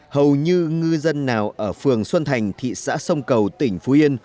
hầu như ngư dân nào ở phường xuân thành thị xã sông cầu tỉnh phú yên